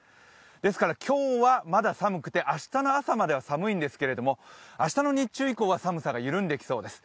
ですから今日はまだ寒くて明日の朝までは寒いんですけど明日の日中以降は寒さが緩んできそうです。